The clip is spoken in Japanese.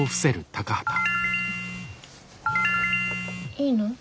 いいの？